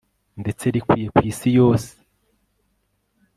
ndetse rikwire ku isi yose